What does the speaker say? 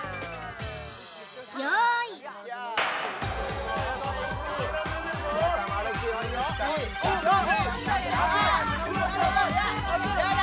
用意やだ